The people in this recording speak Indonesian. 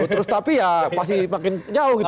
terus tapi ya pasti makin jauh gitu